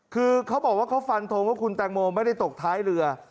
คือเขาบอกว่าเขาฟันทงว่าคุณแตงโมไม่ได้ตกท้ายเรือ